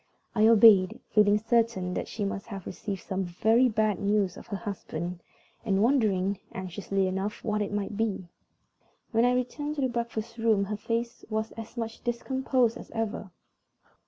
I obeyed, feeling certain that she must have received some very bad news of her husband, and wondering, anxiously enough, what it might be. When I returned to the breakfast room her face was as much discomposed as ever.